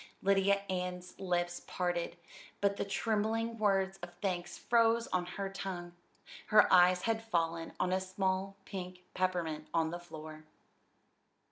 Lydia Ann's lips parted, but the trembling words of thanks froze on her tongue her eyes had fallen on a small pink peppermint on the floor.